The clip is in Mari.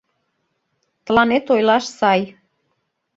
— Тыланет ойлаш сай...